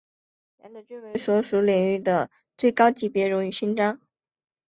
两者均为所属领域的最高级别荣誉勋章。